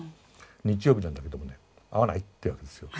日曜日なんだけどもね会わない？ってわけですよ。